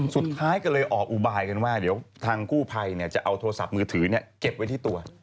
สุดท้ายก็เลยออกอุบายกันว่าเดี๋ยวทางกู้ภัยจะเอาโทรศัพท์มือถือเก็บไว้ที่ตัว